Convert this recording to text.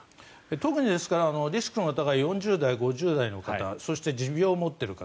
特にリスクの高い４０代、５０代の方そして、持病を持っている方